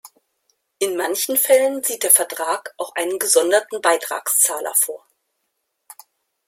In manchen Fällen sieht der Vertrag auch einen gesonderten Beitragszahler vor.